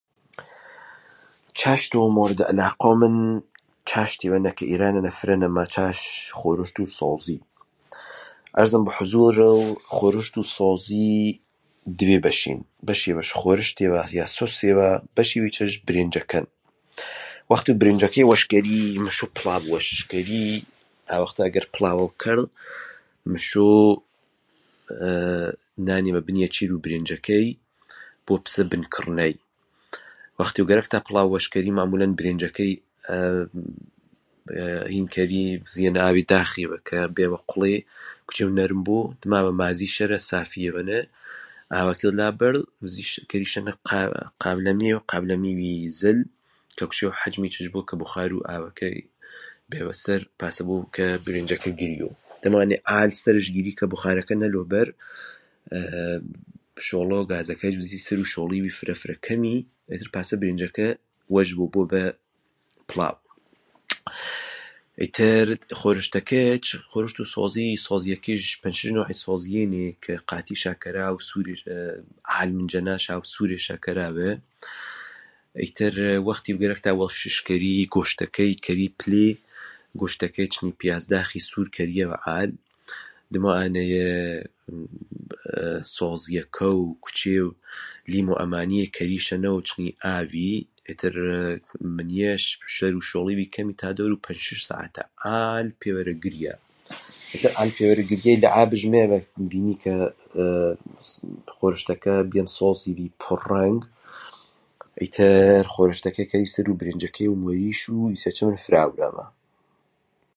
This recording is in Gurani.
چاشتۆ مەورێدوو عەلاقەو من چاشتێڤەنە کە ئێرانەنە فرەنە ماچاش خورشتوو سەوزی. عەرزەم بە عوزورذ خۆرشتوو سەوزی دڤێ بەشێن، بەشێڤش خۆرشتێڤا یا سۆسێڤا، بەشێڤیچش برێنجەکەن. وەختێڤ برێنجەکەی وەش کەری مشیۆ پڵاڤ وەشش کەری. ئاڤختە ئەگەر پڵاڤت کەرذ مشۆ ئێێێ نانێڤە بنیەی چێروو برێنجەکەی بۆ پسە بنکڕنەی. وەختێظ گەرەکتا پڵاڤ وەش کەری مەعموولەن برێنجەکەی، ئێ ئێ هین کەری ڤزیەنە ئاڤێڤە داخە کە بێڤە قوڵێ کوچێڤ نەرم بۆ دماڤە مازیشەرە سافیێڤەنە ئاڤەکێش کە لاذ بەرذ ڤزیشەنە قاڤلەمێڤ، قاڤلەمێڤی زل کە کوجێڤ حەجمیچش بۆ کە ئاڤەکەی گنۆڤە سەر پاسنە بۆ کە برێنجەکە گریۆ، تەنانەت، عال سەرش گێری کە بوخارەکە نەلۆ بەر. شۆڵۆ گازەکەیچ ڤزی سەروو شۆڵێڤی فرە کەمی ئتر پاسە برێنجەکە وەش بۆ بۆ بە پڵاڤ. ئیتر خۆڕشتەکەیچ، خۆرشتوو سەوزی چن نەوحێ سەوزیێنێ قاتیشا کەراو عال منجەناشا و سوورێشا کەراڤە، ئیتر وەختێڤ گەرەکتا وەشش کەری، گۆشتەکەی کەری پلێ، گۆشتەکەی چنی پیازداخی سوور کەریەڤە عال، دمەو ئانەیە سۆزیەکەو کوچێڤ لیمۆ ئەمانیێ کەریشەنە و چنی ئاڤی منییش سەرووشۆڵێڤی کەمی پەی دەوروو پەنچشش سەعاتا عال پێڤەرە گریا. وەختێڤ عال پێڤەرە گریەی لەحابش مێڤە ڤینی کە خۆرشتەکە بیەن سۆزێڤی پۆڕ رەنگ، ئتر خۆرشتەکەی کەری سەروو برێنجەکەی و موەریش وو ئیسەیچە من فرە ئاوراما.